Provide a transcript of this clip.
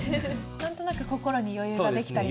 何となく心に余裕ができたりとか。